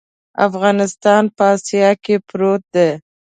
افغانستان په اسیا کې پروت دی.